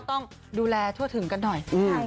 ต้องดูแลทั่วถึงกันหน่อย